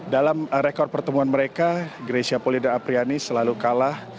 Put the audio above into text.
dalam rekor pertemuan mereka grecia polida apriani selalu kalah